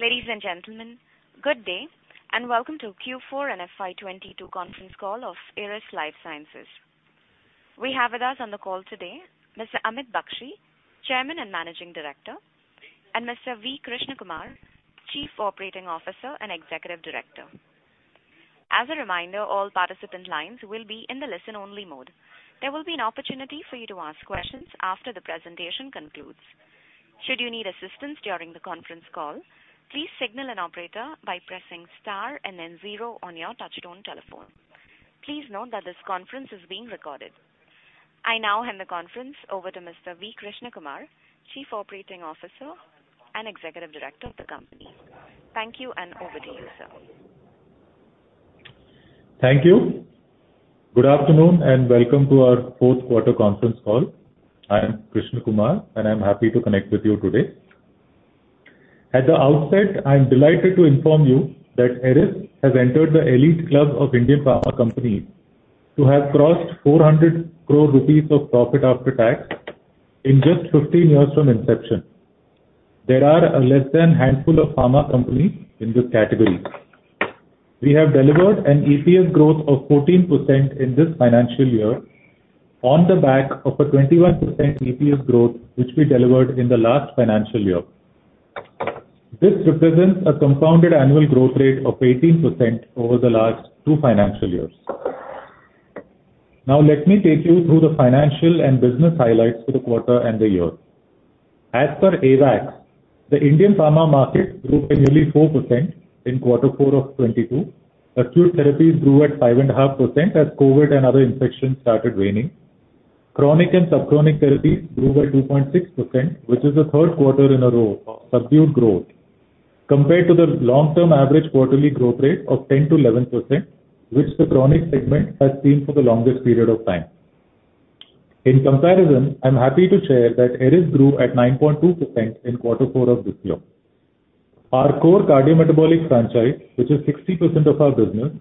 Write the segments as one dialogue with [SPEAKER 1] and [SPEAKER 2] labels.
[SPEAKER 1] Ladies and gentlemen, good day and welcome to Q4 and FY 2022 conference call of Eris Lifesciences. We have with us on the call today Mr. Amit Bakshi, Chairman and Managing Director, and Mr. V. Krishnakumar, Chief Operating Officer and Executive Director. As a reminder, all participant lines will be in the listen-only mode. There will be an opportunity for you to ask questions after the presentation concludes. Should you need assistance during the conference call, please signal an operator by pressing star and then zero on your touchtone telephone. Please note that this conference is being recorded. I now hand the conference over to Mr. V. Krishnakumar, Chief Operating Officer and Executive Director of the company. Thank you, and over to you, sir.
[SPEAKER 2] Thank you. Good afternoon, and welcome to our fourth quarter conference call. I am Krishnakumar, and I'm happy to connect with you today. At the outset, I'm delighted to inform you that Eris has entered the elite club of Indian pharma companies who have crossed 400 crore rupees of profit after tax in just 15 years from inception. There are less than a handful of pharma companies in this category. We have delivered an EPS growth of 14% in this financial year on the back of a 21% EPS growth, which we delivered in the last financial year. This represents a compounded annual growth rate of 18% over the last two financial years. Now let me take you through the financial and business highlights for the quarter and the year. As per AIOCD AWACS, the Indian pharma market grew by nearly 4% in quarter four of 2022. Acute therapies grew at 5.5% as COVID and other infections started waning. Chronic and subchronic therapies grew by 2.6%, which is the third quarter in a row of subdued growth compared to the long-term average quarterly growth rate of 10%-11%, which the chronic segment has seen for the longest period of time. In comparison, I'm happy to share that Eris grew at 9.2% in quarter four of this year. Our core cardiometabolic franchise, which is 60% of our business,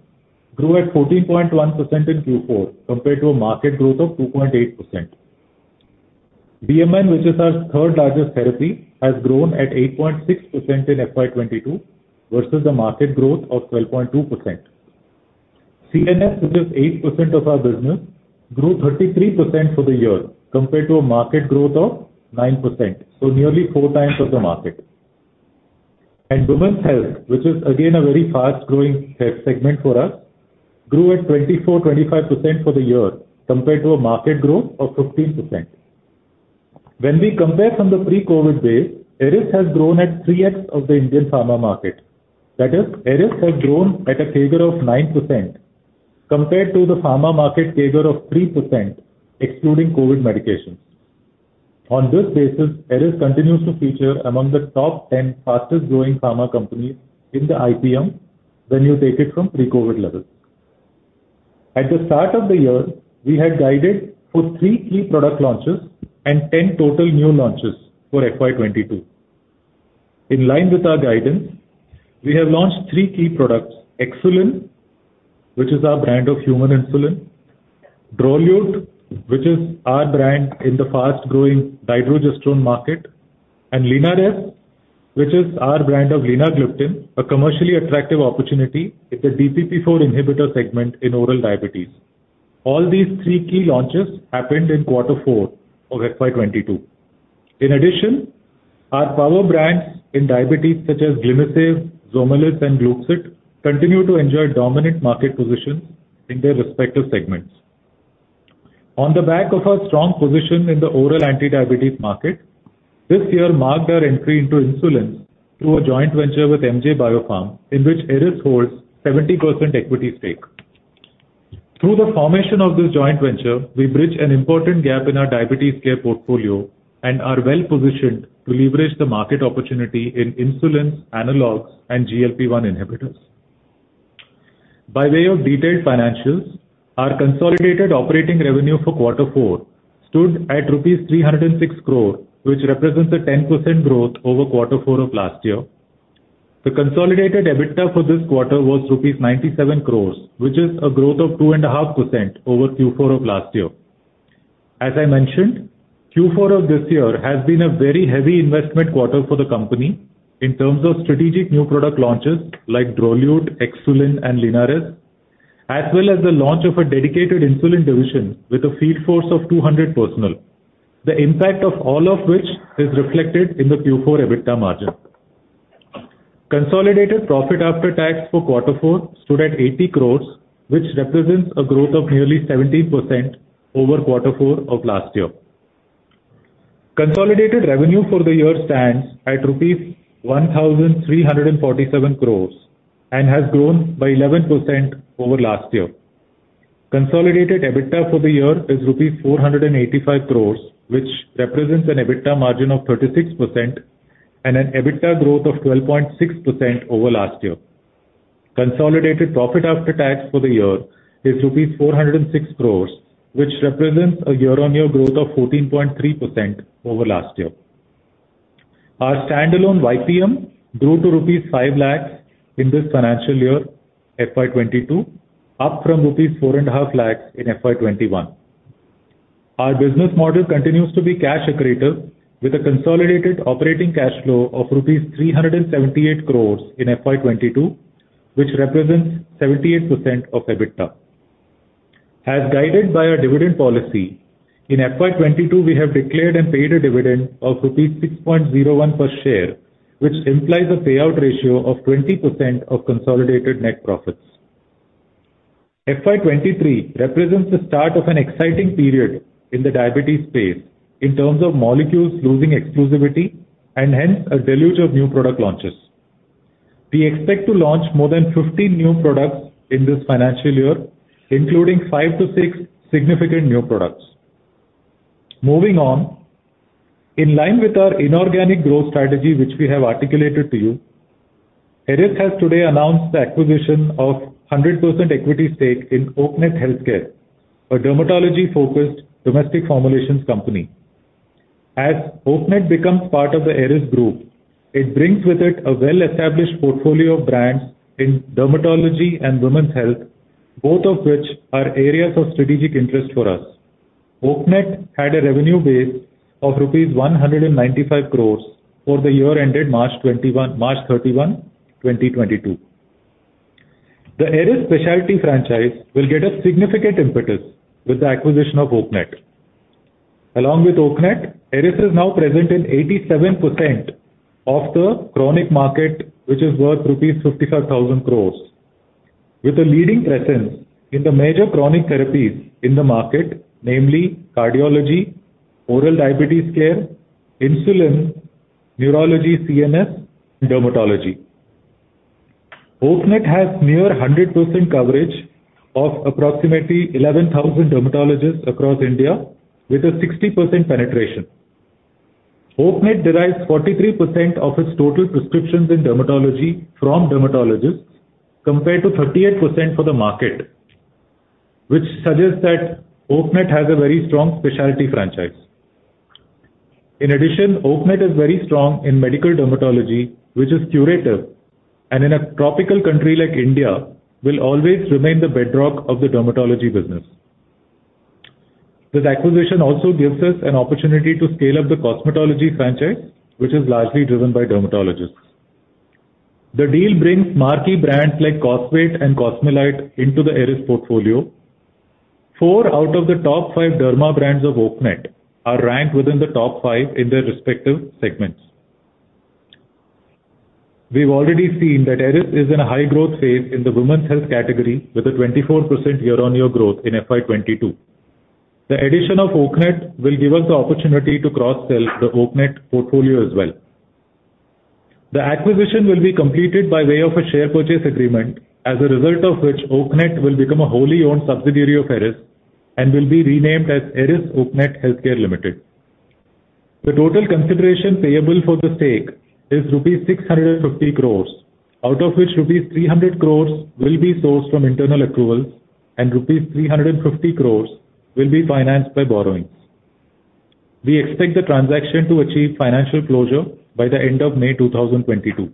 [SPEAKER 2] grew at 14.1% in Q4 compared to a market growth of 2.8%. VMN, which is our third-largest therapy, has grown at 8.6% in FY 2022 versus a market growth of 12.2%. CNS, which is 8% of our business, grew 33% for the year compared to a market growth of 9%, so nearly 4 times of the market. Women's health, which is again a very fast-growing segment for us, grew at 24-25% for the year compared to a market growth of 15%. When we compare from the pre-COVID base, Eris has grown at 3 times of the Indian pharma market. That is, Eris has grown at a CAGR of 9% compared to the pharma market CAGR of 3%, excluding COVID medications. On this basis, Eris continues to feature among the top ten fastest-growing pharma companies in the IPM when you take it from pre-COVID levels. At the start of the year, we had guided for three key product launches and 10 total new launches for FY 2022. In line with our guidance, we have launched three key products, Xsulin, which is our brand of human insulin, Drolute, which is our brand in the fast-growing dydrogesterone market, and Linares, which is our brand of linagliptin, a commercially attractive opportunity in the DPP-4 inhibitor segment in oral diabetes. All these three key launches happened in quarter four of FY 2022. In addition, our power brands in diabetes, such as Glimisave, Zomelis, and Gluxit, continue to enjoy dominant market positions in their respective segments. On the back of our strong position in the oral anti-diabetes market, this year marked our entry into insulin through a joint venture with MJ Biopharm, in which Eris holds 70% equity stake. Through the formation of this joint venture, we bridge an important gap in our diabetes care portfolio and are well-positioned to leverage the market opportunity in insulin, analogs, and GLP-1 inhibitors. By way of detailed financials, our consolidated operating revenue for quarter four stood at rupees 306 crore, which represents a 10% growth over quarter four of last year. The consolidated EBITDA for this quarter was 97 crores rupees, which is a growth of 2.5% over Q4 of last year. As I mentioned, Q4 of this year has been a very heavy investment quarter for the company in terms of strategic new product launches like Drolute, Xsulin, and Linares, as well as the launch of a dedicated insulin division with a field force of 200 personnel, the impact of all of which is reflected in the Q4 EBITDA margin. Consolidated profit after tax for quarter four stood at 80 crores, which represents a growth of nearly 17% over quarter four of last year. Consolidated revenue for the year stands at rupees 1,347 crores and has grown by 11% over last year. Consolidated EBITDA for the year is 485 crores rupees, which represents an EBITDA margin of 36% and an EBITDA growth of 12.6% over last year. Consolidated profit after tax for the year is rupees 406 crores, which represents a year-on-year growth of 14.3% over last year. Our standalone YPM grew to rupees 5 lakhs in this financial year, FY 2022, up from rupees 4.5 lakhs in FY 2021. Our business model continues to be cash accretive, with a consolidated operating cash flow of rupees 378 crores in FY 2022, which represents 78% of EBITDA. As guided by our dividend policy, in FY 2022 we have declared and paid a dividend of 6.01 per share, which implies a payout ratio of 20% of consolidated net profits. FY 2023 represents the start of an exciting period in the diabetes space in terms of molecules losing exclusivity and hence a deluge of new product launches. We expect to launch more than 15 new products in this financial year, including five to six significant new products. Moving on, in line with our inorganic growth strategy which we have articulated to you, Eris has today announced the acquisition of 100% equity stake in Oaknet Healthcare, a dermatology-focused domestic formulations company. As Oaknet becomes part of the Eris Group, it brings with it a well-established portfolio of brands in dermatology and women's health, both of which are areas of strategic interest for us. Oaknet had a revenue base of rupees 195 crores for the year ended March 31, 2022. The Eris specialty franchise will get a significant impetus with the acquisition of Oaknet. Along with Oaknet, Eris is now present in 87% of the chronic market, which is worth rupees 55,000 crores. With a leading presence in the major chronic therapies in the market, namely cardiology, oral diabetes care, insulin, neurology, CNS, and dermatology. Oaknet has near 100% coverage of approximately 11,000 dermatologists across India with a 60% penetration. Oaknet derives 43% of its total prescriptions in dermatology from dermatologists compared to 38% for the market, which suggests that Oaknet has a very strong specialty franchise. In addition, Oaknet is very strong in medical dermatology, which is curative, and in a tropical country like India, will always remain the bedrock of the dermatology business. This acquisition also gives us an opportunity to scale up the cosmetology franchise, which is largely driven by dermatologists. The deal brings marquee brands like Cosvate and Cosmelan into the Eris portfolio. Four out of the top five derma brands of Oaknet are ranked within the top five in their respective segments. We've already seen that Eris is in a high-growth phase in the women's health category with a 24% year-on-year growth in FY 2022. The addition of Oaknet will give us the opportunity to cross-sell the Oaknet portfolio as well. The acquisition will be completed by way of a share purchase agreement, as a result of which Oaknet will become a wholly owned subsidiary of Eris and will be renamed as Eris Oaknet Healthcare Limited. The total consideration payable for the stake is rupees 650 crores, out of which rupees 300 crores will be sourced from internal accruals and rupees 350 crores will be financed by borrowings. We expect the transaction to achieve financial closure by the end of May 2022.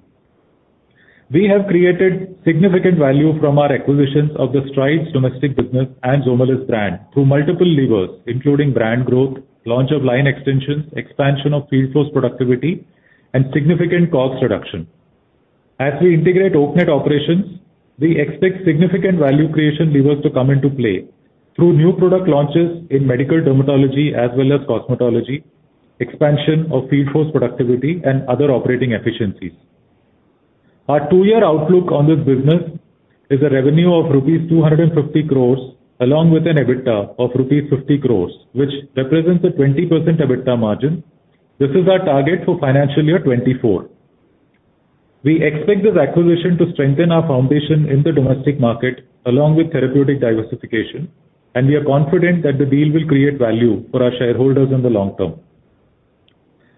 [SPEAKER 2] We have created significant value from our acquisitions of the Strides domestic business and Zomelis brand through multiple levers, including brand growth, launch of line extensions, expansion of field force productivity, and significant cost reduction. As we integrate Oaknet operations, we expect significant value creation levers to come into play through new product launches in medical dermatology as well as cosmetology, expansion of field force productivity, and other operating efficiencies. Our two-year outlook on this business is a revenue of rupees 250 crore, along with an EBITDA of rupees 50 crore, which represents a 20% EBITDA margin. This is our target for financial year 2024. We expect this acquisition to strengthen our foundation in the domestic market along with therapeutic diversification, and we are confident that the deal will create value for our shareholders in the long term.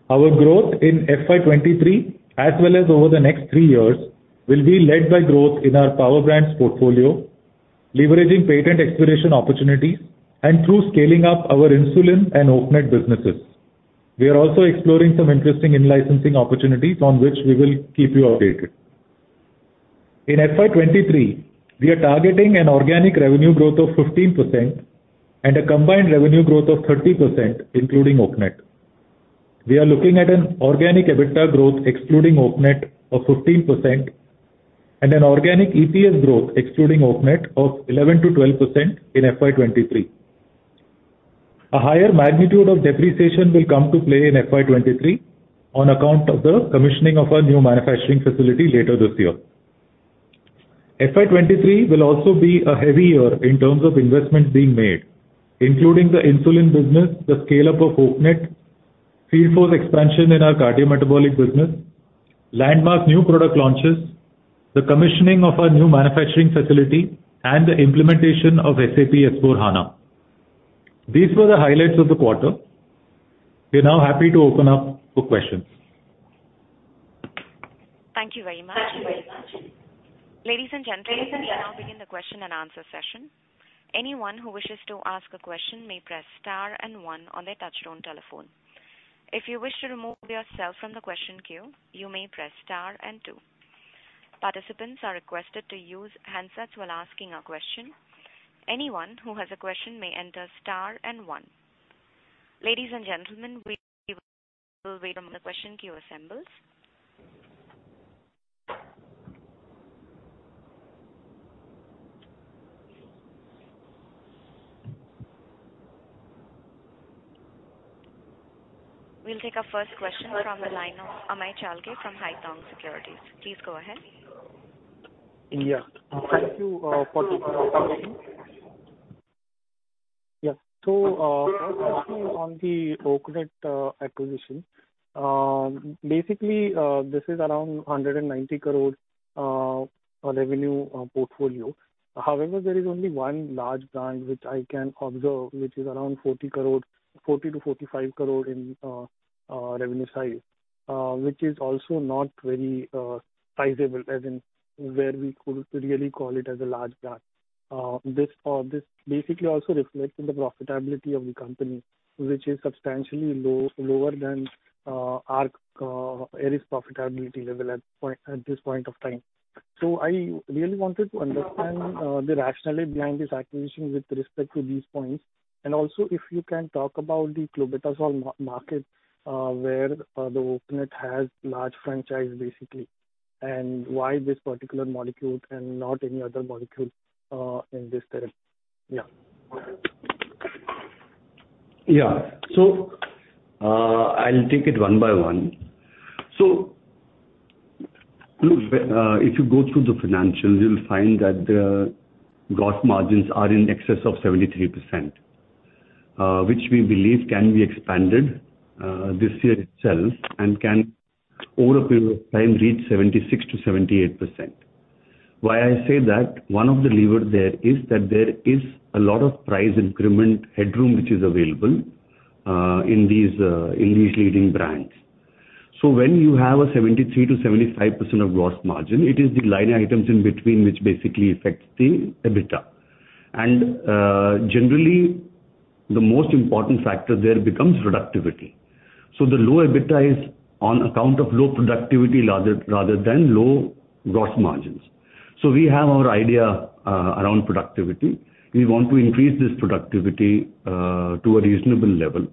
[SPEAKER 2] Our growth in FY 2023, as well as over the next three years, will be led by growth in our Power Brands portfolio, leveraging patent expiration opportunities, and through scaling up our insulin and Oaknet businesses. We are also exploring some interesting in-licensing opportunities on which we will keep you updated. In FY 2023, we are targeting an organic revenue growth of 15% and a combined revenue growth of 30%, including Oaknet. We are looking at an organic EBITDA growth excluding Oaknet of 15% and an organic EPS growth excluding Oaknet of 11%-12% in FY 2023. A higher magnitude of depreciation will come to play in FY 2023 on account of the commissioning of our new manufacturing facility later this year. FY 2023 will also be a heavy year in terms of investments being made, including the insulin business, the scale-up of Oaknet, field force expansion in our cardiometabolic business, landmark new product launches, the commissioning of our new manufacturing facility, and the implementation of SAP S/4HANA. These were the highlights of the quarter. We are now happy to open up for questions.
[SPEAKER 1] Thank you very much. Ladies and gentlemen, we now begin the question and answer session. Anyone who wishes to ask a question may press star and one on their touchtone telephone. If you wish to remove yourself from the question queue, you may press star and two. Participants are requested to use handsets while asking a question. Anyone who has a question may enter star and one. Ladies and gentlemen, we will wait while the question queue assembles. We'll take our first question from the line of Amey Chalke from Haitong Securities. Please go ahead.
[SPEAKER 3] Yeah. Thank you for taking my question. Yeah. So, on the Oaknet acquisition. Basically, this is around 190 crore revenue portfolio. However, there is only one large brand which I can observe, which is around 40 crore, 40-45 crore in revenue size, which is also not very sizable, as in where we could really call it as a large brand. This basically also reflects in the profitability of the company, which is substantially lower than our Eris profitability level at this point of time. I really wanted to understand the rationale behind this acquisition with respect to these points. Also if you can talk about the Clobetasol market, where the Oaknet has large franchise basically, and why this particular molecule and not any other molecule, in this therapy? Yeah.
[SPEAKER 4] Yeah. I'll take it one by one. Look, if you go through the financials, you'll find that the gross margins are in excess of 73%, which we believe can be expanded, this year itself and can over a period of time reach 76%-78%. Why I say that? One of the lever there is that there is a lot of price increment headroom which is available, in these, in these leading brands. When you have a 73%-75% of gross margin, it is the line items in between which basically affects the EBITDA. And, generally, the most important factor there becomes productivity. The low EBITDA is on account of low productivity rather than low gross margins. We have our idea around productivity. We want to increase this productivity to a reasonable level.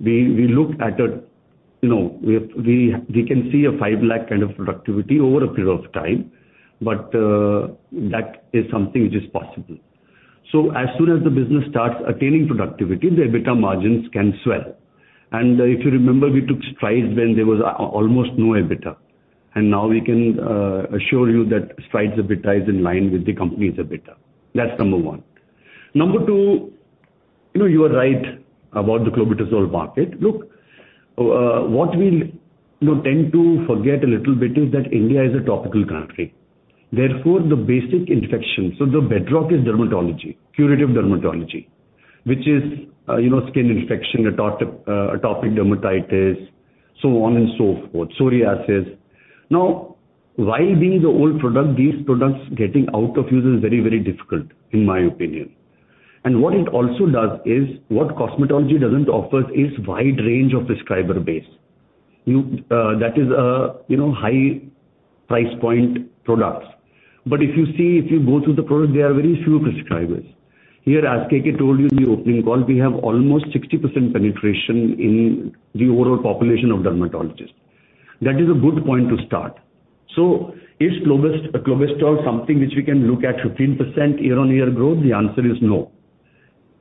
[SPEAKER 4] We look at, you know, we can see a 5 lakh kind of productivity over a period of time, but that is something which is possible. As soon as the business starts attaining productivity, the EBITDA margins can swell. If you remember, we took Strides when there was almost no EBITDA, and now we can assure you that Strides EBITDA is in line with the company's EBITDA. That's number one. Number two, you know, you are right about the Clobetasol market. Look, what we, you know, tend to forget a little bit is that India is a topical country, therefore the basic infection, so the bedrock is dermatology, curative dermatology, which is, you know, skin infection, atopic dermatitis, so on and so forth, psoriasis. Now, why these old products getting out of use is very, very difficult, in my opinion. What it also does is, what Cosmelan doesn't offer is wide range of prescriber base. You, that is, you know, high price point products. If you see, if you go through the products, there are very few prescribers. Here, as KK told you in the opening call, we have almost 60% penetration in the overall population of dermatologists. That is a good point to start. Is Clobetasol something which we can look at 15% year-on-year growth? The answer is no.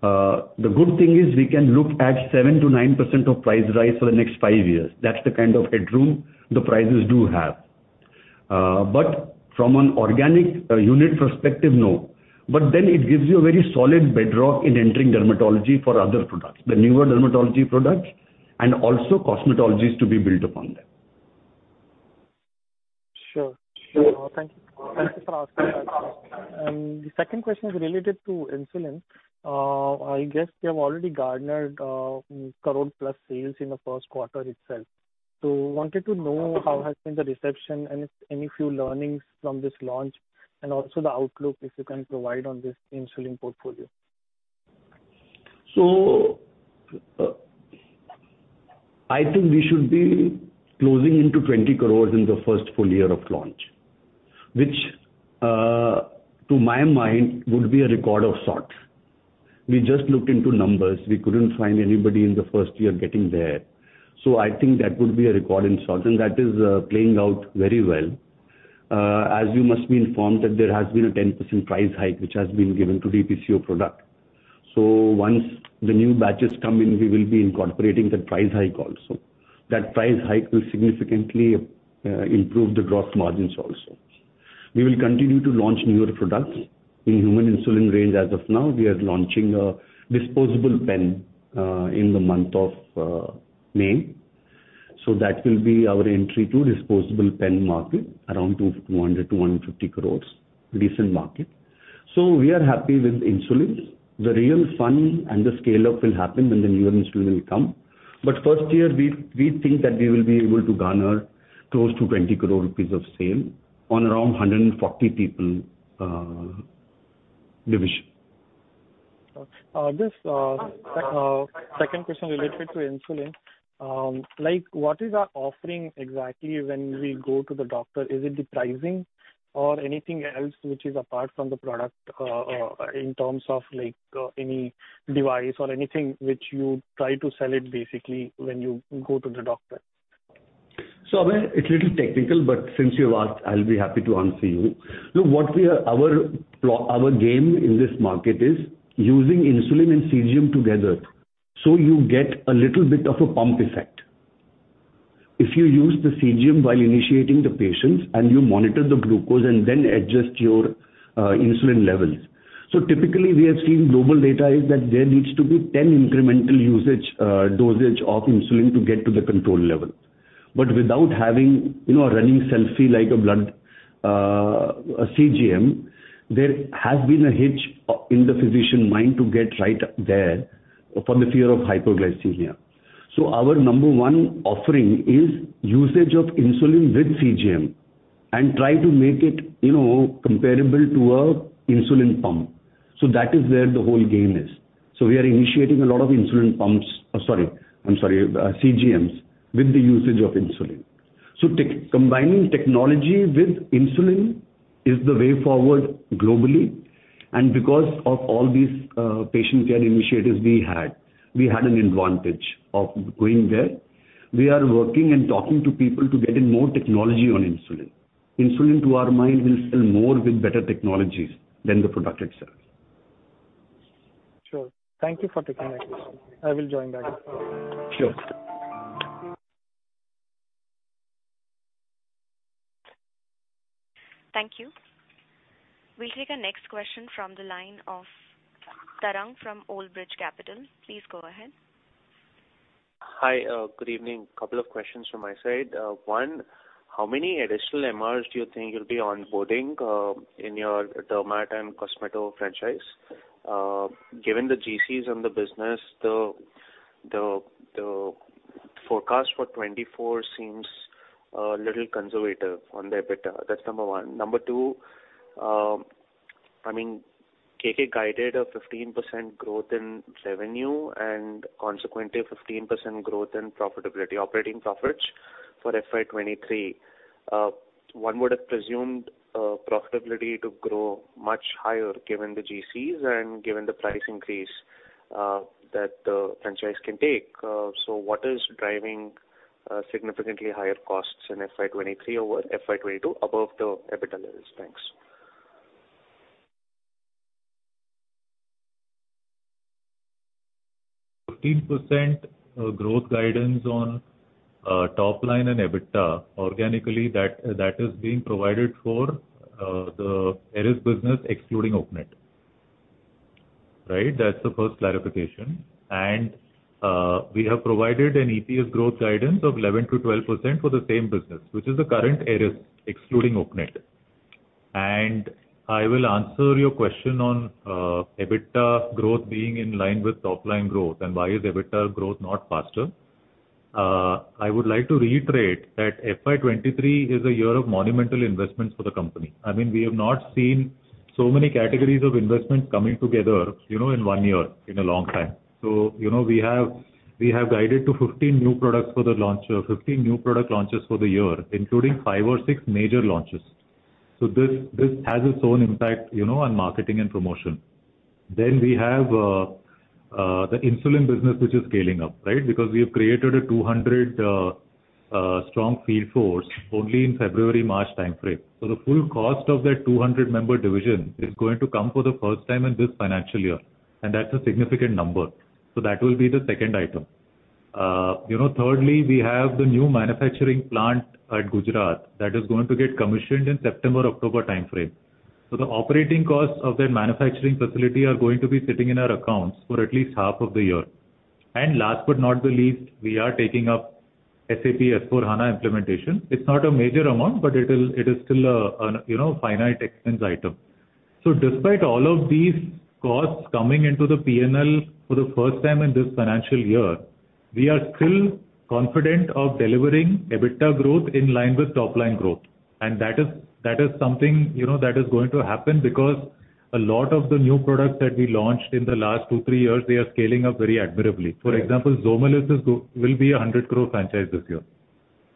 [SPEAKER 4] The good thing is we can look at 7%-9% of price rise for the next five years. That's the kind of headroom the prices do have. But from an organic unit perspective, no. It gives you a very solid bedrock in entering dermatology for other products, the newer dermatology products and also cosmeceuticals to be built upon them.
[SPEAKER 3] Thank you for answering that. The second question is related to insulin. I guess you have already garnered 1 crore-plus sales in the first quarter itself. Wanted to know how has been the reception and if any few learnings from this launch, and also the outlook if you can provide on this insulin portfolio.
[SPEAKER 4] I think we should be closing into 20 crore in the first full year of launch, which, to my mind, would be a record of sort. We just looked into numbers. We couldn't find anybody in the first year getting there. I think that would be a record in sort, and that is playing out very well. As you must be informed that there has been a 10% price hike, which has been given to the DPCO product. Once the new batches come in, we will be incorporating that price hike also. That price hike will significantly improve the gross margins also. We will continue to launch newer products in human insulin range. As of now, we are launching a disposable pen in the month of May. That will be our entry to disposable pen market, around 200-150 crore recent market. We are happy with insulin. The real fun and the scale-up will happen when the newer insulin will come. First year we think that we will be able to garner close to 20 crore rupees of sale on around 140 people, division.
[SPEAKER 3] This second question related to insulin. Like, what is our offering exactly when we go to the doctor? Is it the pricing or anything else which is apart from the product, in terms of like, any device or anything which you try to sell it basically when you go to the doctor?
[SPEAKER 2] Amey, it's a little technical, but since you've asked, I'll be happy to answer you. Look, our game in this market is using insulin and CGM together, so you get a little bit of a pump effect. If you use the CGM while initiating the patients and you monitor the glucose and then adjust your insulin levels. Typically we have seen global data is that there needs to be 10 incremental usage, dosage of insulin to get to the control level. Without having, you know, a running CGM, like a blood a CGM, there has been a hitch in the physician mind to get right there for the fear of hypoglycemia. Our number one offering is usage of insulin with CGM and try to make it, you know, comparable to a insulin pump. That is where the whole game is. We are initiating a lot of CGMs with the usage of insulin. Combining technology with insulin is the way forward globally. Because of all these patient care initiatives we had, we had an advantage of going there. We are working and talking to people to get in more technology on insulin. Insulin, to our mind, will sell more with better technologies than the product itself.
[SPEAKER 3] Sure. Thank you for taking my question. I will join back.
[SPEAKER 2] Sure.
[SPEAKER 1] Thank you. We'll take our next question from the line of Tarang from Old Bridge Capital. Please go ahead.
[SPEAKER 5] Hi. Good evening. Couple of questions from my side. One, how many additional MRs do you think you'll be onboarding in your dermot and cosmeo franchise? Given the GCs on the business, the forecast for 2024 seems a little conservative on the EBITDA. That's number one. Number two, I mean, KK guided a 15% growth in revenue and consequently a 15% growth in profitability, operating profits for FY 2023. One would have presumed profitability to grow much higher given the GCs and given the price increase that the franchise can take. What is driving significantly higher costs in FY 2023 over FY 2022 above the EBITDA levels? Thanks.
[SPEAKER 2] 15% growth guidance on top line and EBITDA organically, that is being provided for the Eris business excluding Oaknet, right? That's the first clarification. We have provided an EPS growth guidance of 11%-12% for the same business, which is the current Eris excluding Oaknet. I will answer your question on EBITDA growth being in line with top line growth and why is EBITDA growth not faster. I would like to reiterate that FY 2023 is a year of monumental investments for the company. I mean, we have not seen so many categories of investments coming together, you know, in one year in a long time. You know, we have guided to 15 new product launches for the year, including five or six major launches. This has its own impact, you know, on marketing and promotion. We have the insulin business which is scaling up, right? Because we have created a 200-strong field force only in February, March time frame. The full cost of that 200-member division is going to come for the first time in this financial year, and that's a significant number. That will be the second item. Thirdly, we have the new manufacturing plant at Gujarat that is going to get commissioned in September, October time frame. The operating costs of that manufacturing facility are going to be sitting in our accounts for at least half of the year. Last but not the least, we are taking up SAP S/4HANA implementation. It's not a major amount, but it is still a you know, finite expense item. Despite all of these costs coming into the P&L for the first time in this financial year, we are still confident of delivering EBITDA growth in line with top line growth. That is something, you know, that is going to happen because a lot of the new products that we launched in the last two, three years, they are scaling up very admirably. For example, Zomelis will be 100 crore franchise this year,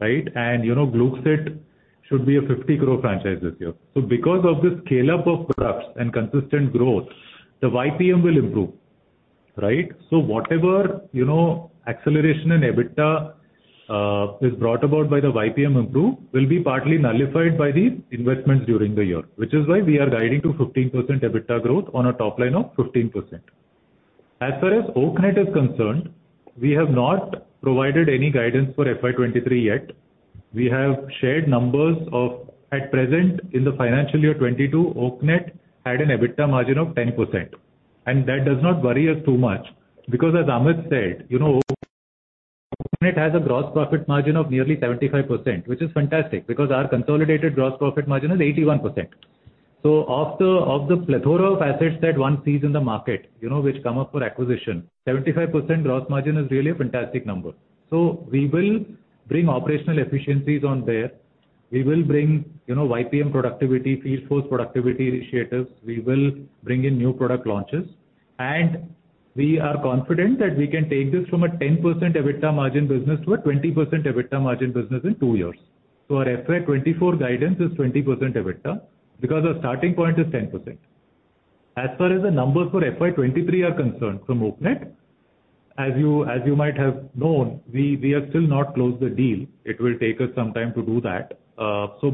[SPEAKER 2] right? You know, Gluxit should be 50 crore franchise this year. Because of the scale-up of products and consistent growth, the YPM will improve, right? Whatever, you know, acceleration in EBITDA is brought about by the YPM improvement will be partly nullified by the investments during the year, which is why we are guiding to 15% EBITDA growth on a top line of 15%. As far as Oaknet is concerned, we have not provided any guidance for FY 2023 yet. We have shared numbers. At present, in the financial year 2022, Oaknet had an EBITDA margin of 10%, and that does not worry us too much because as Amit said, you know, Oaknet has a gross profit margin of nearly 75%, which is fantastic because our consolidated gross profit margin is 81%. Of the plethora of assets that one sees in the market, you know, which come up for acquisition, 75% gross margin is really a fantastic number. We will bring operational efficiencies on there. We will bring, you know, YPM productivity, field force productivity initiatives. We will bring in new product launches, and we are confident that we can take this from a 10% EBITDA margin business to a 20% EBITDA margin business in two years. Our FY 2024 guidance is 20% EBITDA, because our starting point is 10%. As far as the numbers for FY 2023 are concerned for Oaknet, as you might have known, we have still not closed the deal. It will take us some time to do that.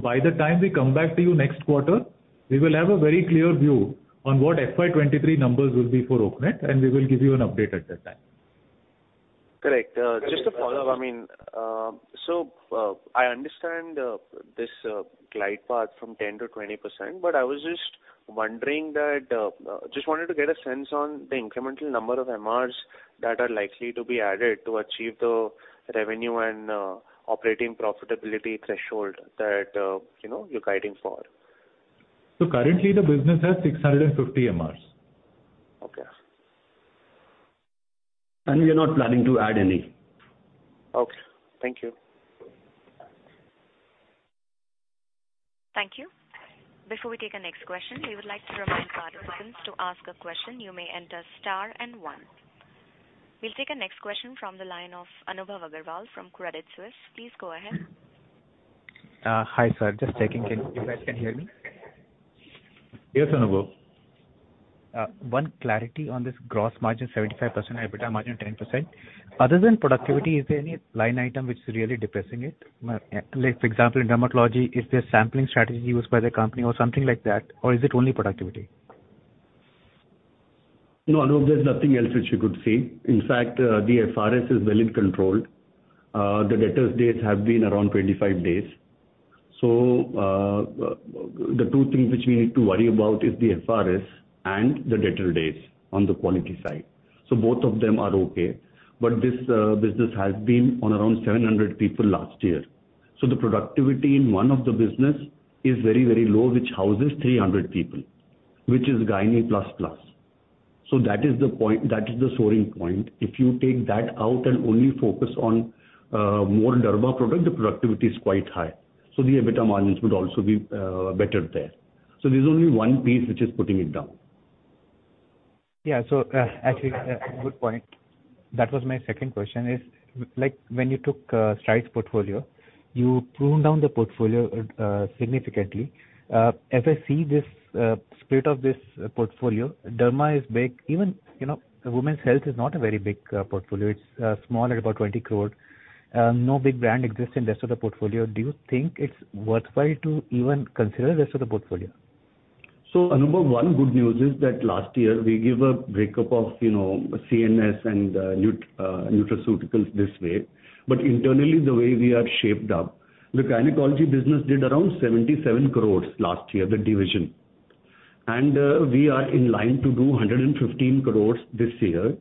[SPEAKER 2] By the time we come back to you next quarter, we will have a very clear view on what FY 2023 numbers will be for Oaknet, and we will give you an update at that time.
[SPEAKER 5] Correct. Just to follow up, I mean, I understand this glide path from 10%-20%, but I was just wondering, just wanted to get a sense on the incremental number of MRs that are likely to be added to achieve the revenue and operating profitability threshold that you know, you're guiding for.
[SPEAKER 4] Currently the business has 650 MRs.
[SPEAKER 5] Okay.
[SPEAKER 4] We are not planning to add any.
[SPEAKER 5] Okay. Thank you.
[SPEAKER 1] Thank you. Before we take our next question, we would like to remind participants to ask a question, you may enter star and one. We'll take our next question from the line of Anubhav Agarwal from Credit Suisse. Please go ahead.
[SPEAKER 6] Hi, sir. Just checking in. You guys can hear me?
[SPEAKER 4] Yes, Anubhav.
[SPEAKER 6] One clarity on this gross margin 75%, EBITDA margin 10%. Other than productivity, is there any line item which is really depressing it? Like for example, in dermatology, is there sampling strategy used by the company or something like that? Or is it only productivity?
[SPEAKER 4] No, Anubhav, there's nothing else which you could see. In fact, the FRS is well in control. The debtors days have been around 25 days. The two things which we need to worry about is the FRS and the debtor days on the quality side. Both of them are okay. But this business has been on around 700 people last year. The productivity in one of the business is very, very low, which houses 300 people, which is gyne plus plus. That is the point, that is the sore point. If you take that out and only focus on core derma product, the productivity is quite high. The EBITDA margins would also be better there. There's only one piece which is putting it down.
[SPEAKER 6] Yeah. Actually, good point. That was my second question is, like when you took Strides portfolio, you pruned down the portfolio significantly. As I see this split of this portfolio, derma is big. Even, you know, women's health is not a very big portfolio. It's small at about 20 crore. No big brand exists in rest of the portfolio. Do you think it's worthwhile to even consider rest of the portfolio?
[SPEAKER 4] Anubhav, one good news is that last year we gave a break-up of, you know, CNS and nutra, nutraceuticals this way. Internally, the way we are shaped up, the gynecology business did around 77 crores last year, the division. We are in line to do 115 crores this year.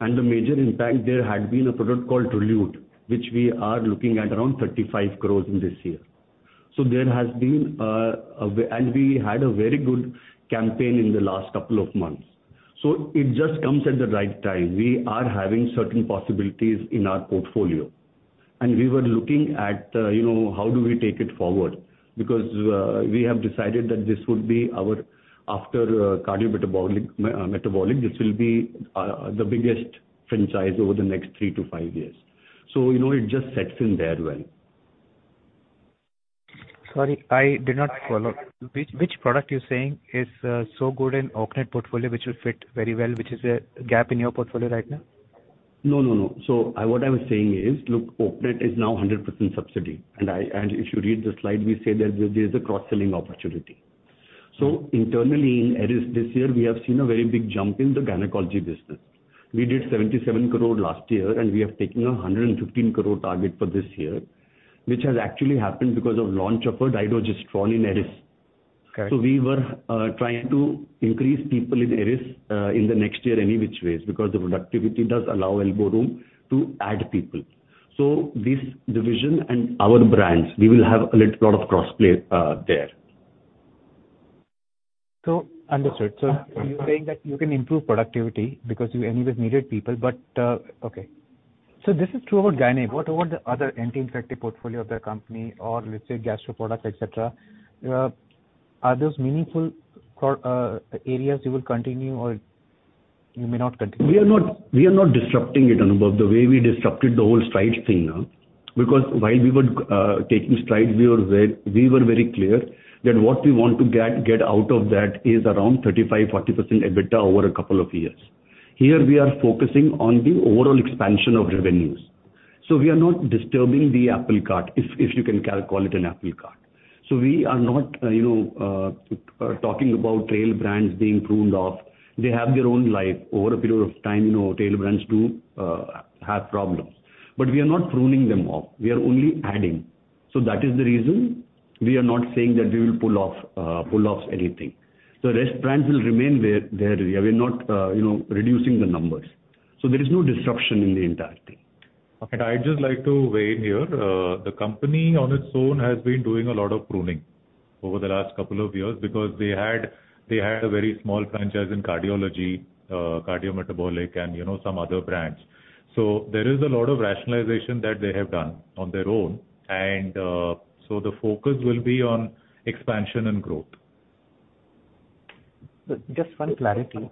[SPEAKER 4] The major impact there had been a product called Drolute, which we are looking at around 35 crores in this year. There has been. We had a very good campaign in the last couple of months. It just comes at the right time. We are having certain possibilities in our portfolio, and we were looking at, you know, how do we take it forward because we have decided that this would be our after cardiometabolic, this will be the biggest franchise over the next three to five years. You know, it just sets in there well.
[SPEAKER 6] Sorry, I did not follow. Which product you're saying is so good in Oaknet portfolio, which will fit very well, which is a gap in your portfolio right now?
[SPEAKER 4] No, no. What I was saying is, look, Oaknet is now 100% subsidiary. If you read the slide, we say that this is a cross-selling opportunity. Internally in Eris this year, we have seen a very big jump in the gynecology business. We did 77 crore last year, and we have taken a 115 crore target for this year, which has actually happened because of launch of a dydrogesterone in Eris.
[SPEAKER 6] Okay.
[SPEAKER 4] We were trying to increase people in Eris in the next year, any which ways, because the productivity does allow elbow room to add people. This division and our brands, we will have a lot of cross play there.
[SPEAKER 6] Understood. You're saying that you can improve productivity because you anyways needed people, but, okay. This is true about gynae. What about the other anti-infective portfolio of the company or let's say gastro products, et cetera? Are those meaningful areas you will continue or you may not continue?
[SPEAKER 4] We are not disrupting it, Anubhav, the way we disrupted the whole Strides thing. Because while we were taking Strides, we were very clear that what we want to get out of that is around 35%-40% EBITDA over a couple of years. Here we are focusing on the overall expansion of revenues. We are not disturbing the apple cart, if you can call it an apple cart. We are not, you know, talking about tail brands being pruned off. They have their own life over a period of time, you know, tail brands do have problems, but we are not pruning them off, we are only adding. That is the reason we are not saying that we will pull off anything. Rest brands will remain there. We are not, you know, reducing the numbers. There is no disruption in the entire thing.
[SPEAKER 2] I'd just like to weigh in here. The company on its own has been doing a lot of pruning. Over the last couple of years, because they had a very small franchise in cardiology, cardiometabolic and, you know, some other brands. There is a lot of rationalization that they have done on their own. The focus will be on expansion and growth.
[SPEAKER 6] Just one clarity.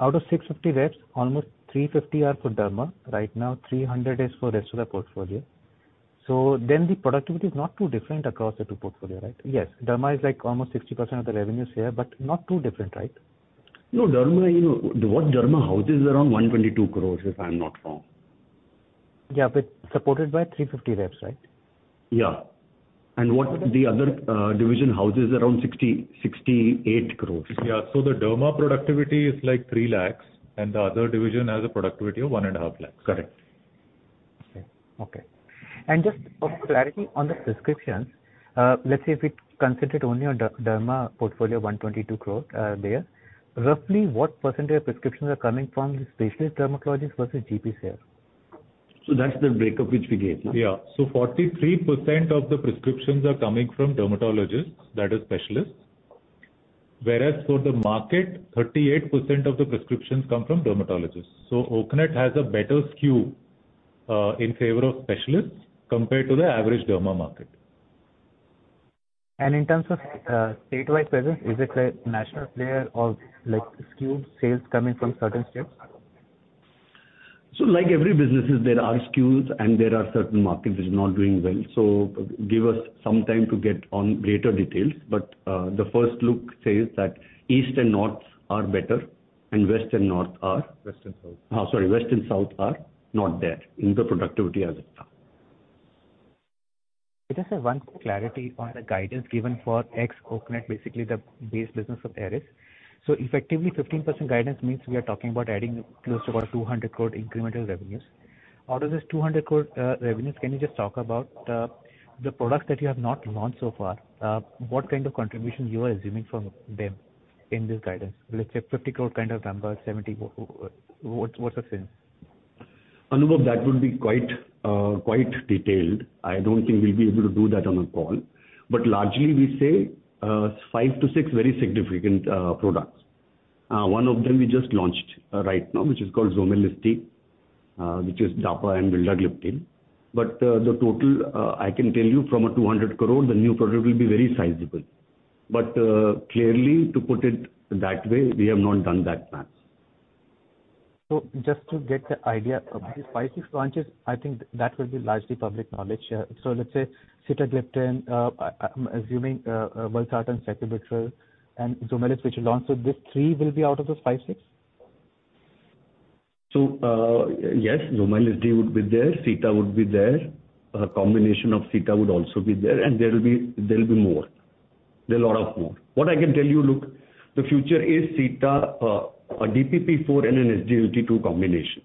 [SPEAKER 6] Out of 650 reps, almost 350 are for derma. Right now, 300 is for rest of the portfolio. The productivity is not too different across the two portfolio, right? Yes, derma is like almost 60% of the revenues here, but not too different, right?
[SPEAKER 4] No, derma, you know, what derma houses around 122 crores, if I'm not wrong.
[SPEAKER 6] Yeah, supported by 350 reps, right?
[SPEAKER 4] Yeah. What the other division has around 60-68 crore.
[SPEAKER 2] Yeah. The derma productivity is like 3 lakhs, and the other division has a productivity of 1.5 lakhs.
[SPEAKER 4] Correct.
[SPEAKER 6] Okay. Just for clarity on the prescriptions, let's say if we concentrate only on the derma portfolio, 122 crore there. Roughly what percentage of prescriptions are coming from the specialist dermatologist versus GP share?
[SPEAKER 4] That's the breakup which we gave, no?
[SPEAKER 2] 43% of the prescriptions are coming from dermatologists that are specialists. Whereas for the market, 38% of the prescriptions come from dermatologists. Oaknet has a better skew in favor of specialists compared to the average derma market.
[SPEAKER 6] In terms of statewide presence, is it a national player or like skewed sales coming from certain states?
[SPEAKER 4] Like every business, there are skews and there are certain markets which are not doing well. Give us some time to get into greater details. The first look says that east and north are better and west and north are.
[SPEAKER 2] West and south.
[SPEAKER 4] Oh, sorry, West and South are not there in the productivity as of now.
[SPEAKER 6] Just one clarity on the guidance given for ex Oaknet, basically the base business of Eris. Effectively, 15% guidance means we are talking about adding close to about 200 crore incremental revenues. Out of this 200 crore revenues, can you just talk about the products that you have not launched so far, what kind of contribution you are assuming from them in this guidance? Let's say 50 crore kind of number, 70 crore, what's the sense?
[SPEAKER 4] Anubhav, that would be quite detailed. I don't think we'll be able to do that on a call. Largely, we say five to six very significant products. One of them we just launched right now, which is called Zomelis-D, which is Dapagliflozin and Vildagliptin. The total, I can tell you from 200 crore, the new product will be very sizable. Clearly, to put it that way, we have not done that math.
[SPEAKER 6] Just to get the idea of these five, six launches, I think that will be largely public knowledge. Let's say sitagliptin, I'm assuming, Valsartan, Sacubitril, and Zomelis-D, which you launched. These three will be out of those five, six?
[SPEAKER 4] Yes, Zomelis-D would be there, Sita would be there. A combination of Sita would also be there, and there will be more. There are a lot more. What I can tell you, look, the future is Sita, a DPP-4 and an SGLT2 combination.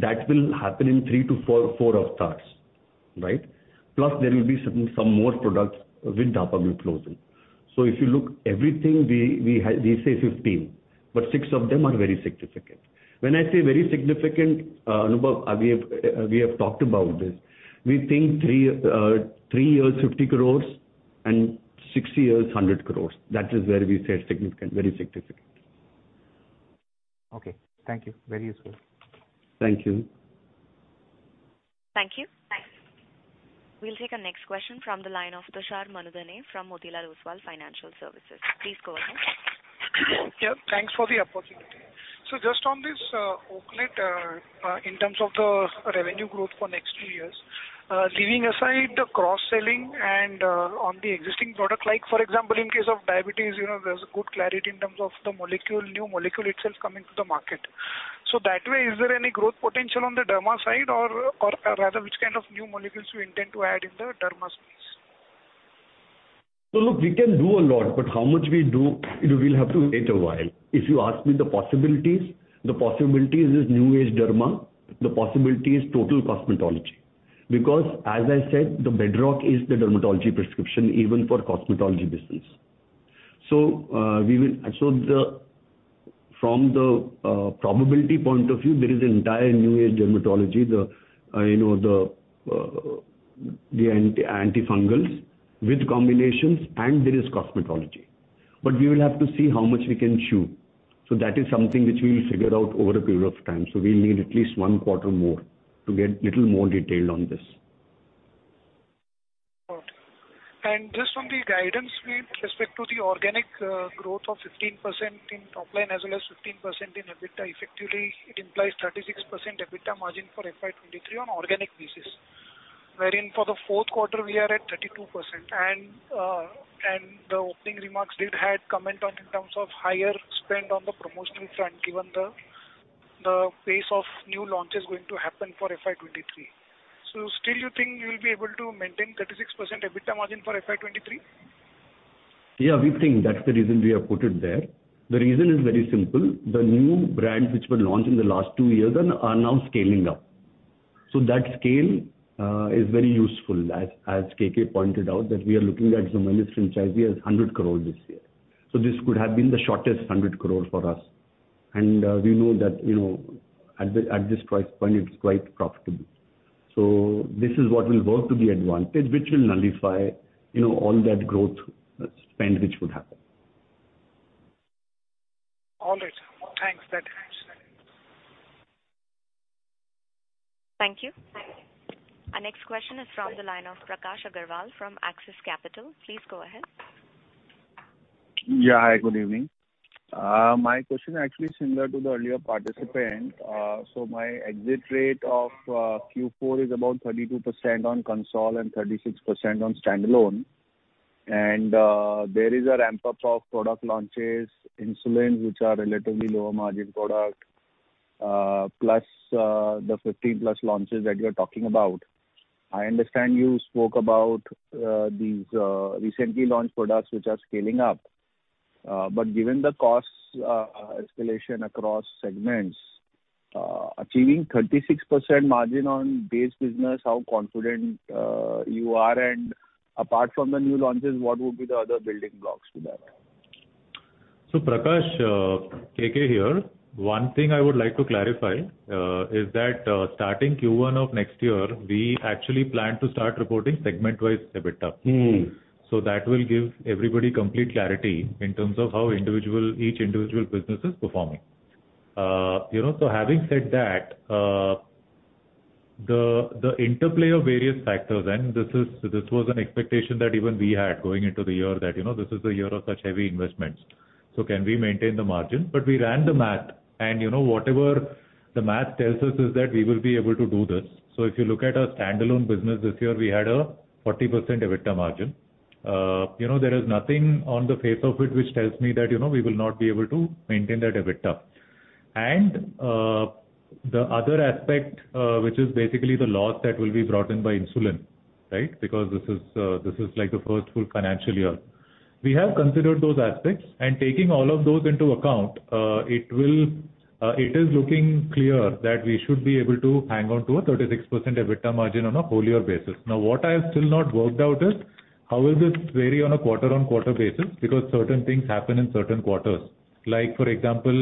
[SPEAKER 4] That will happen in three to four years, right? Plus, there will be some more products with Dapagliflozin, Gluxit. If you look at everything we say 15, but six of them are very significant. When I say very significant, Anubhav, we have talked about this. We think three years, 50 crore and six years, 100 crore. That is where we say significant, very significant.
[SPEAKER 6] Okay. Thank you. Very useful.
[SPEAKER 4] Thank you.
[SPEAKER 1] Thank you. We'll take our next question from the line of Tushar Manudhane from Motilal Oswal Financial Services. Please go ahead.
[SPEAKER 7] Yeah, thanks for the opportunity. Just on this, Oaknet, in terms of the revenue growth for next two years, leaving aside the cross-selling and, on the existing product, like for example, in case of diabetes, you know, there's a good clarity in terms of the molecule, new molecule itself coming to the market. That way, is there any growth potential on the derma side or rather which kind of new molecules you intend to add in the derma space?
[SPEAKER 4] Look, we can do a lot, but how much we do, it will have to wait a while. If you ask me the possibilities, the possibilities is new age derma. The possibility is total cosmetology. Because as I said, the bedrock is the dermatology prescription even for cosmetology business. From the probability point of view, there is entire new age dermatology, the antifungals with combinations, and there is cosmetology. But we will have to see how much we can chew. That is something which we will figure out over a period of time. We'll need at least one quarter more to get little more detailed on this.
[SPEAKER 7] Got it. Just on the guidance with respect to the organic growth of 15% in top line as well as 15% in EBITDA, effectively, it implies 36% EBITDA margin for FY 2023 on organic basis. Wherein for the fourth quarter we are at 32%. The opening remarks did have comment on in terms of higher spend on the promotional front, given the pace of new launches going to happen for FY 2023. Still you think you'll be able to maintain 36% EBITDA margin for FY 2023?
[SPEAKER 4] Yeah, we think that's the reason we have put it there. The reason is very simple. The new brands which were launched in the last two years are now scaling up. That scale is very useful. As KK pointed out, we are looking at Zomelis-D franchise as 100 crore this year. This could have been the shortest 100 crore for us. We know that, you know, at this price point it's quite profitable. This is what will work to the advantage, which will nullify, you know, all that growth spend which would happen.
[SPEAKER 7] All right. Thanks. That answers that.
[SPEAKER 1] Thank you. Our next question is from the line of Prakash Agarwal from Axis Capital. Please go ahead.
[SPEAKER 8] Yeah, hi, good evening. My question actually is similar to the earlier participant. My exit rate of Q4 is about 32% on consolidated and 36% on standalone. There is a ramp-up of product launches, insulin, which are relatively lower margin product, plus the 15+ launches that you're talking about. I understand you spoke about these recently launched products which are scaling up. But given the cost escalation across segments, achieving 36% margin on base business, how confident you are? Apart from the new launches, what would be the other building blocks to that?
[SPEAKER 2] Prakash, KK here. One thing I would like to clarify is that starting Q1 of next year, we actually plan to start reporting segment-wise EBITDA.
[SPEAKER 8] Mm.
[SPEAKER 2] That will give everybody complete clarity in terms of how each individual business is performing. You know, having said that, the interplay of various factors, and this was an expectation that even we had going into the year that, you know, this is a year of such heavy investments, so can we maintain the margin? We ran the math and, you know, whatever the math tells us is that we will be able to do this. If you look at our standalone business this year, we had a 40% EBITDA margin. You know, there is nothing on the face of it which tells me that, you know, we will not be able to maintain that EBITDA. The other aspect, which is basically the loss that will be brought in by insulin, right? Because this is like the first full financial year. We have considered those aspects and taking all of those into account, it is looking clear that we should be able to hang on to a 36% EBITDA margin on a full year basis. Now, what I have still not worked out is how will this vary on a quarter-on-quarter basis because certain things happen in certain quarters. Like for example,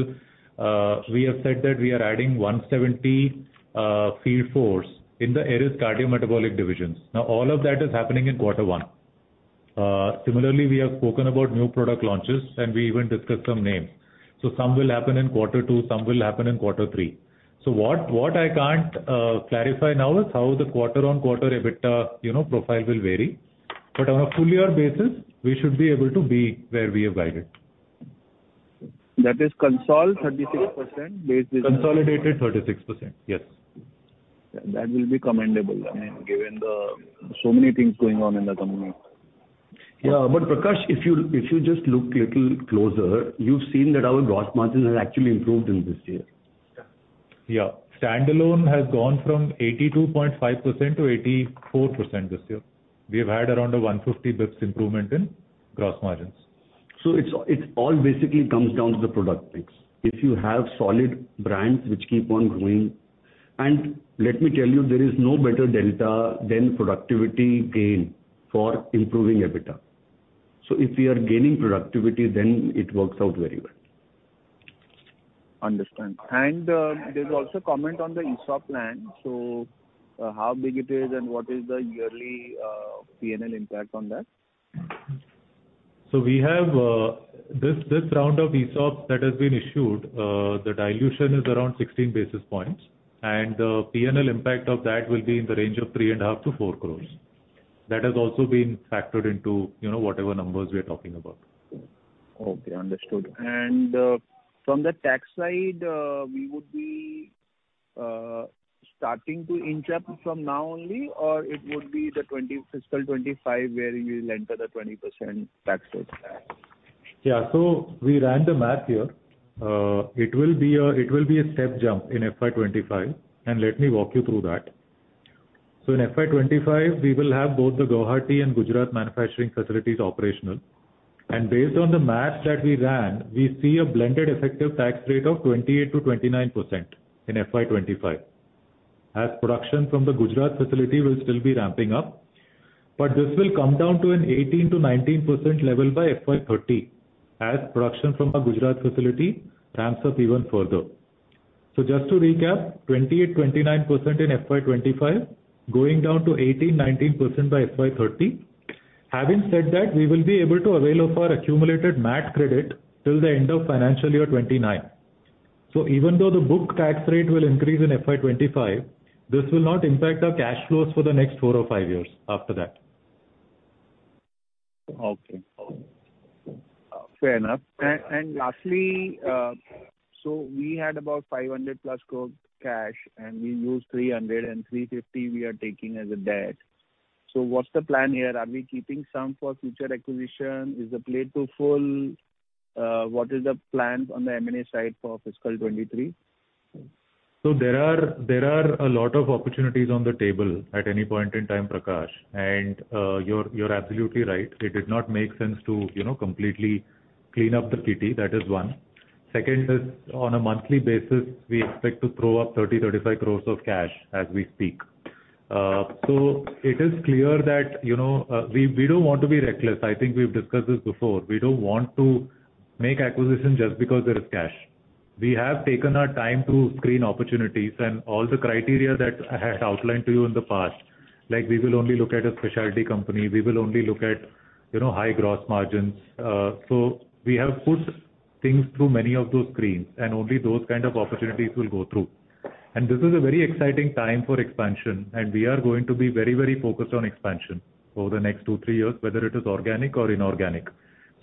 [SPEAKER 2] we have said that we are adding 170 field force in the Eris cardiometabolic divisions. Now all of that is happening in quarter one. Similarly, we have spoken about new product launches, and we even discussed some names. Some will happen in quarter two, some will happen in quarter three. What I can't clarify now is how the quarter-on-quarter EBITDA, you know, profile will vary. On a full year basis, we should be able to be where we have guided.
[SPEAKER 8] That is consolidated 36% base business?
[SPEAKER 2] Consolidated 36%. Yes.
[SPEAKER 8] That will be commendable, I mean, given so many things going on in the company.
[SPEAKER 4] Yeah. Prakash, if you just look little closer, you've seen that our gross margins have actually improved in this year.
[SPEAKER 8] Yeah.
[SPEAKER 2] Yeah. Standalone has gone from 82.5% to 84% this year. We have had around a 150 basis points improvement in gross margins.
[SPEAKER 4] It's, it all basically comes down to the product mix. If you have solid brands which keep on growing. Let me tell you, there is no better delta than productivity gain for improving EBITDA. If we are gaining productivity, then it works out very well.
[SPEAKER 8] Understand. There's also comment on the ESOP plan. How big it is and what is the yearly P&L impact on that?
[SPEAKER 2] We have this round of ESOP that has been issued, the dilution is around 16 basis points. The P&L impact of that will be in the range of 3.5-4 crores. That has also been factored into, you know, whatever numbers we are talking about.
[SPEAKER 8] Okay, understood. From the tax side, we would be starting to incur from now only, or it would be the fiscal 2025 where you'll enter the 20% tax rate?
[SPEAKER 2] Yeah. We ran the math here. It will be a step jump in FY 2025, and let me walk you through that. In FY 2025, we will have both the Guwahati and Gujarat manufacturing facilities operational. Based on the math that we ran, we see a blended effective tax rate of 28%-29% in FY 2025, as production from the Gujarat facility will still be ramping up. This will come down to an 18%-19% level by FY 2030, as production from our Gujarat facility ramps up even further. Just to recap, 28%-29% in FY 2025, going down to 18%-19% by FY 2030. Having said that, we will be able to avail of our accumulated MAT credit till the end of financial year 2029. Even though the book tax rate will increase in FY 2025, this will not impact our cash flows for the next four or five years after that.
[SPEAKER 8] Okay. Fair enough. Lastly, we had about 500+ crore cash, and we used 300 and 350 we are taking as a debt. What's the plan here? Are we keeping some for future acquisition? Is the plate full? What is the plan on the M&A side for fiscal 2023?
[SPEAKER 2] There are a lot of opportunities on the table at any point in time, Prakash. You're absolutely right. It did not make sense to, you know, completely clean up the kitty. That is one. Second is, on a monthly basis, we expect to throw off 30-35 crores of cash as we speak. It is clear that, you know, we don't want to be reckless. I think we've discussed this before. We don't want to make acquisitions just because there is cash. We have taken our time to screen opportunities and all the criteria that I had outlined to you in the past. Like, we will only look at a specialty company. We will only look at, you know, high gross margins. We have put things through many of those screens, and only those kind of opportunities will go through. This is a very exciting time for expansion, and we are going to be very, very focused on expansion over the next 2-3 years, whether it is organic or inorganic.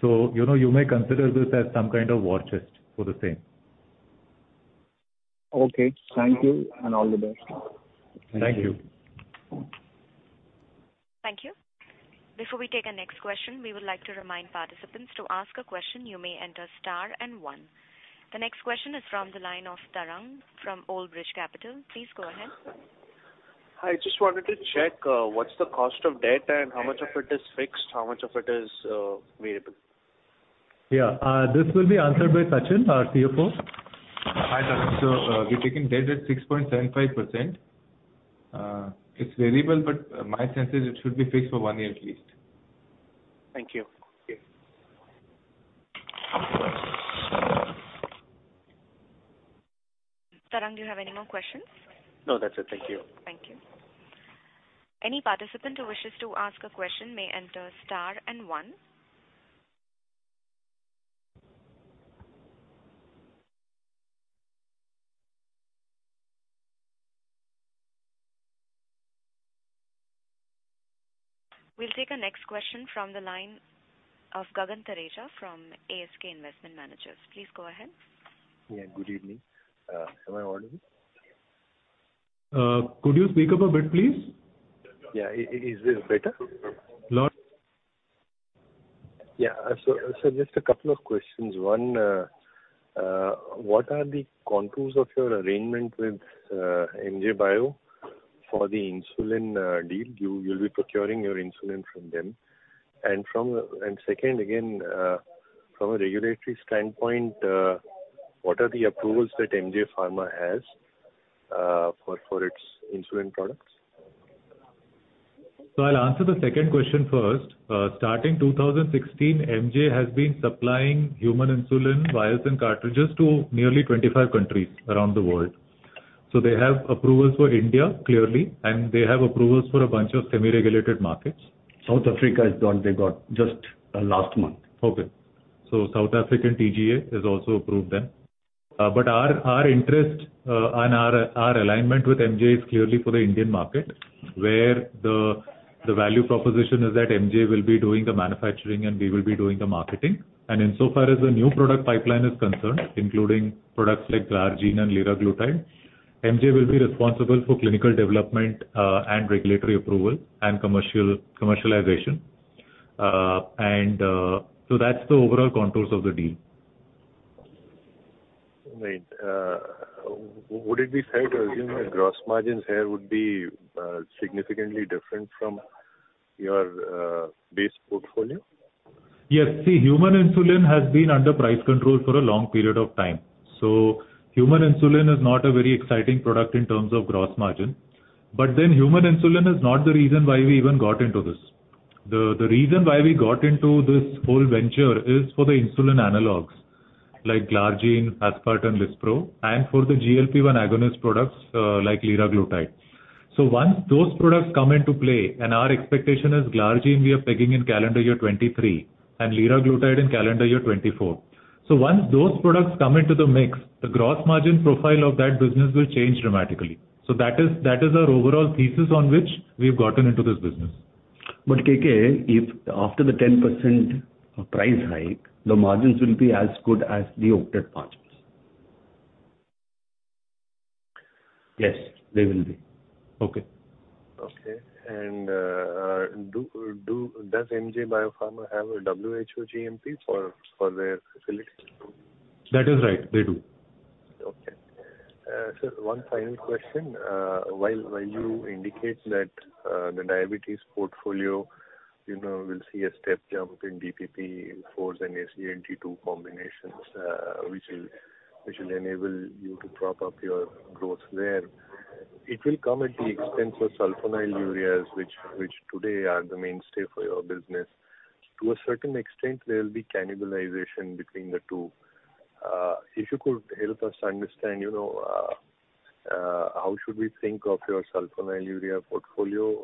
[SPEAKER 2] You know, you may consider this as some kind of war chest for the same.
[SPEAKER 8] Okay. Thank you, and all the best.
[SPEAKER 2] Thank you.
[SPEAKER 1] Thank you. Before we take our next question, we would like to remind participants, to ask a question, you may enter star and one. The next question is from the line of Tarang from Old Bridge Capital. Please go ahead.
[SPEAKER 5] Hi. Just wanted to check, what's the cost of debt and how much of it is fixed, how much of it is variable?
[SPEAKER 2] Yeah, this will be answered by Sachin, our CFO.
[SPEAKER 9] Hi, Tarang. We've taken debt at 6.75%. It's variable, but my sense is it should be fixed for one year at least.
[SPEAKER 5] Thank you.
[SPEAKER 9] Okay.
[SPEAKER 1] Tarang, do you have any more questions?
[SPEAKER 5] No, that's it. Thank you.
[SPEAKER 1] Thank you. Any participant who wishes to ask a question may enter star and one. We'll take our next question from the line of Gagan Teja from ASK Investment Managers. Please go ahead.
[SPEAKER 10] Yeah. Good evening. Am I audible?
[SPEAKER 2] Could you speak up a bit, please?
[SPEAKER 10] Yeah. Is this better?
[SPEAKER 2] Louder.
[SPEAKER 10] Yeah. Just a couple of questions. One, what are the contours of your arrangement with MJ Biopharm for the insulin deal? You'll be procuring your insulin from them. Second, again, from a regulatory standpoint, what are the approvals that MJ Biopharm has for its insulin products?
[SPEAKER 2] I'll answer the second question first. Starting 2016, MJ Biopharm has been supplying human insulin vials and cartridges to nearly 25 countries around the world. They have approvals for India, clearly, and they have approvals for a bunch of semi-regulated markets.
[SPEAKER 10] South Africa is one they got just last month.
[SPEAKER 2] Okay. South African SAHPRA has also approved them. Our interest and our alignment with MJ is clearly for the Indian market, where the value proposition is that MJ will be doing the manufacturing and we will be doing the marketing. Insofar as the new product pipeline is concerned, including products like Glargine and Liraglutide, MJ will be responsible for clinical development and regulatory approval and commercialization. That's the overall contours of the deal.
[SPEAKER 10] Right. Would it be fair to assume that gross margins here would be significantly different from your base portfolio?
[SPEAKER 2] Yes. See, human insulin has been under price control for a long period of time. Human insulin is not a very exciting product in terms of gross margin. Human insulin is not the reason why we even got into this. The reason why we got into this whole venture is for the insulin analogs like Glargine, Aspart, and Lispro, and for the GLP-1 agonist products like Liraglutide. Once those products come into play, and our expectation is Glargine we are pegging in calendar year 2023 and Liraglutide in calendar year 2024. Once those products come into the mix, the gross margin profile of that business will change dramatically. That is our overall thesis on which we've gotten into this business.
[SPEAKER 10] KK, if after the 10% price hike, the margins will be as good as the Oaknet margins?
[SPEAKER 2] Yes, they will be.
[SPEAKER 10] Does MJ Biopharm have a WHO GMP for their facilities?
[SPEAKER 2] That is right. They do.
[SPEAKER 10] Okay. Sir, one final question. While you indicate that the diabetes portfolio, you know, will see a step jump in DPP-4s and SGLT2 combinations, which will enable you to prop up your growth there. It will come at the expense of sulfonylureas which today are the mainstay for your business. To a certain extent, there will be cannibalization between the two. If you could help us understand, you know, how should we think of your sulfonylureas portfolio,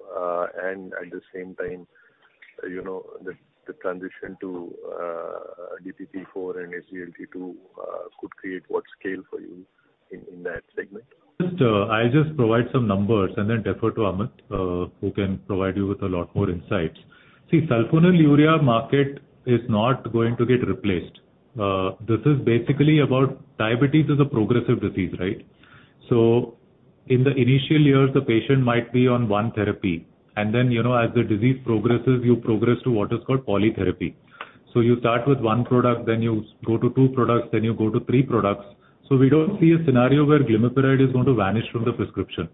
[SPEAKER 10] and at the same time, you know, the transition to DPP-4 and SGLT2 could create what scale for you in that segment?
[SPEAKER 2] I'll just provide some numbers and then defer to Amit, who can provide you with a lot more insights. See, sulfonylureas market is not going to get replaced. This is basically about. Diabetes is a progressive disease, right? In the initial years, the patient might be on one therapy, and then, you know, as the disease progresses, you progress to what is called polytherapy. You start with one product, then you go to two products, then you go to three products. We don't see a scenario where glimepiride is going to vanish from the prescription.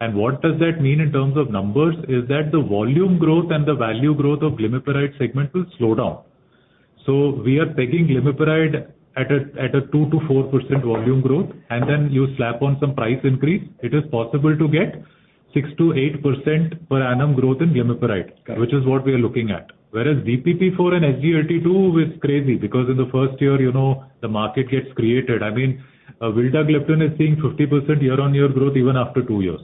[SPEAKER 2] What does that mean in terms of numbers is that the volume growth and the value growth of glimepiride segment will slow down. We are taking glimepiride at a 2%-4% volume growth, and then you slap on some price increase. It is possible to get 6%-8% per annum growth in glimepiride, which is what we are looking at. Whereas DPP-4 and SGLT2 is crazy because in the first year, you know, the market gets created. I mean, vildagliptin is seeing 50% year-on-year growth even after two years,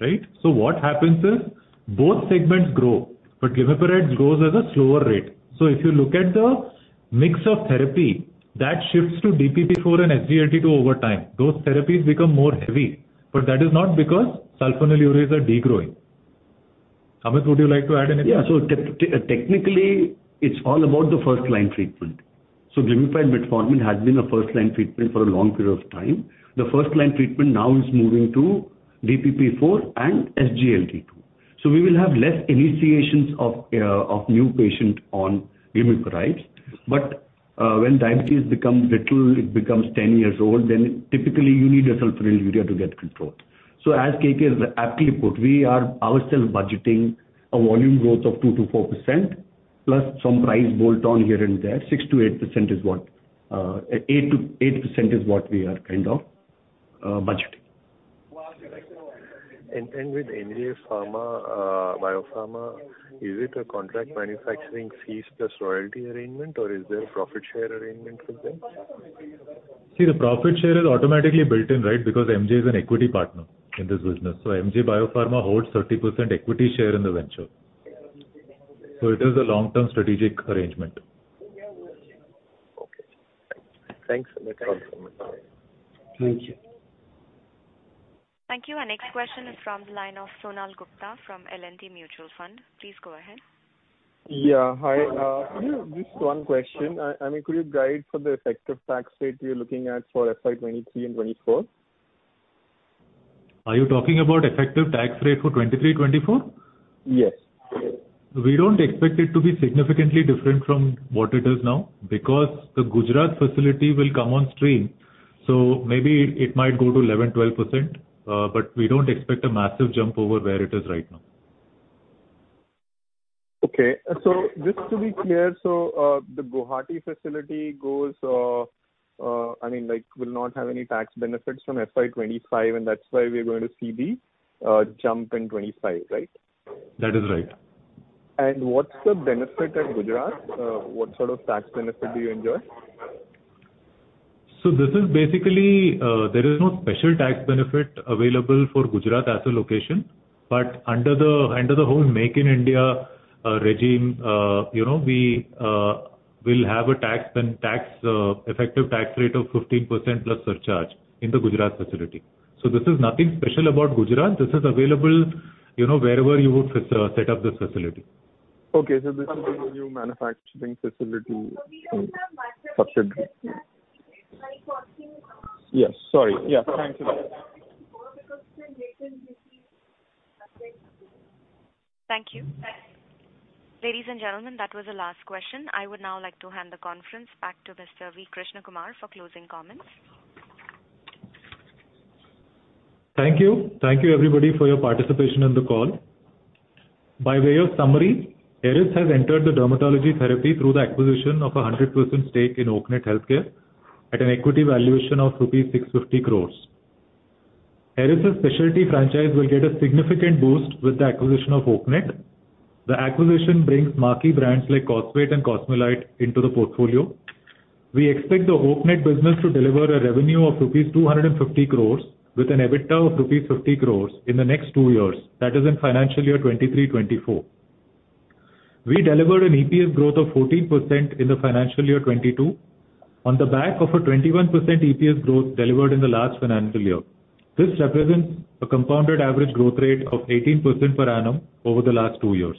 [SPEAKER 2] right? What happens is both segments grow, but glimepiride grows at a slower rate. If you look at the mix of therapy, that shifts to DPP-4 and SGLT2 over time. Those therapies become more heavy. That is not because sulfonylureas are degrowing. Amit, would you like to add anything?
[SPEAKER 4] Yeah. Technically it's all about the first-line treatment. Glimepiride metformin has been a first-line treatment for a long period of time. The first-line treatment now is moving to DPP-4 and SGLT2. We will have less initiations of new patient on glimepirides. When diabetes becomes little, it becomes 10 years old, then typically you need a sulfonylurea to get control. As KK has aptly put, we are ourselves budgeting a volume growth of 2%-4% plus some price bolt on here and there. 6%-8% is what we are kind of budgeting.
[SPEAKER 5] With MJ Biopharm, is it a contract manufacturing fees plus royalty arrangement or is there a profit share arrangement with them?
[SPEAKER 2] See, the profit share is automatically built in, right? Because MJ is an equity partner in this business. MJ Biopharm holds 30% equity share in the venture. It is a long-term strategic arrangement.
[SPEAKER 5] Okay. Thanks. Thanks a lot.
[SPEAKER 4] Thank you.
[SPEAKER 1] Thank you. Our next question is from the line of Sonal Gupta from L&T Mutual Fund. Please go ahead.
[SPEAKER 11] Yeah. Hi. Just one question. I mean, could you guide for the effective tax rate you're looking at for FY 2023 and 2024?
[SPEAKER 2] Are you talking about effective tax rate for 2023/2024?
[SPEAKER 11] Yes.
[SPEAKER 2] We don't expect it to be significantly different from what it is now because the Gujarat facility will come on stream, so maybe it might go to 11%-12%. We don't expect a massive jump over where it is right now.
[SPEAKER 11] Okay. Just to be clear, the Guwahati facility goes, I mean, like, will not have any tax benefits from FY 25, and that's why we're going to see the jump in 25, right?
[SPEAKER 2] That is right.
[SPEAKER 11] What's the benefit at Gujarat? What sort of tax benefit do you enjoy?
[SPEAKER 2] This is basically there is no special tax benefit available for Gujarat as a location. Under the whole Make in India regime, you know, we will have an effective tax rate of 15% plus surcharge in the Gujarat facility. This is nothing special about Gujarat. This is available, you know, wherever you would set up this facility.
[SPEAKER 11] Okay. This will be the new manufacturing facility. Yes. Sorry. Yeah. Thank you.
[SPEAKER 1] Thank you. Ladies and gentlemen, that was the last question. I would now like to hand the conference back to Mr. Krishnakumar Vaidyanathan for closing comments.
[SPEAKER 2] Thank you. Thank you everybody for your participation in the call. By way of summary, Eris has entered the dermatology therapy through the acquisition of 100% stake in Oaknet Healthcare at an equity valuation of 650 crores rupees. Eris' specialty franchise will get a significant boost with the acquisition of Oaknet. The acquisition brings marquee brands like Cosvate and Cosmelan into the portfolio. We expect the Oaknet business to deliver a revenue of rupees 250 crores with an EBITDA of rupees 50 crores in the next two years. That is in financial year 2023/2024. We delivered an EPS growth of 14% in the financial year 2022 on the back of a 21% EPS growth delivered in the last financial year. This represents a compounded average growth rate of 18% per annum over the last two years.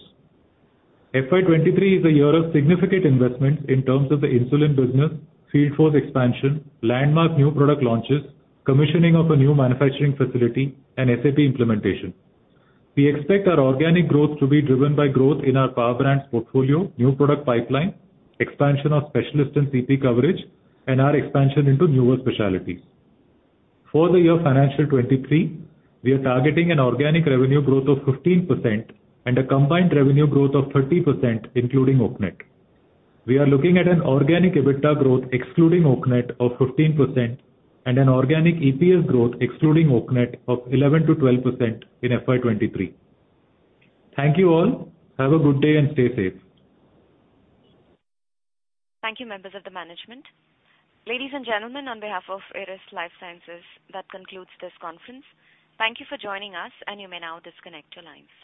[SPEAKER 2] FY 2023 is a year of significant investment in terms of the insulin business, field force expansion, landmark new product launches, commissioning of a new manufacturing facility and SAP implementation. We expect our organic growth to be driven by growth in our power brands portfolio, new product pipeline, expansion of specialist and GP coverage, and our expansion into newer specialties. For the year financial 2023, we are targeting an organic revenue growth of 15% and a combined revenue growth of 30%, including Oaknet. We are looking at an organic EBITDA growth excluding Oaknet of 15% and an organic EPS growth excluding Oaknet of 11%-12% in FY 2023. Thank you all. Have a good day and stay safe.
[SPEAKER 1] Thank you, members of the management. Ladies and gentlemen, on behalf of Eris Lifesciences, that concludes this conference. Thank you for joining us and you may now disconnect your lines.